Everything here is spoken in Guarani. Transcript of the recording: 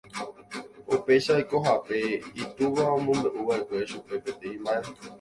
Upéicha oikohápe itúva omombe'uva'ekue chupe peteĩ mba'e.